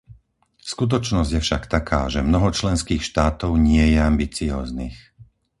Skutočnosť je však taká, že mnoho členských štátov nie je ambicióznych.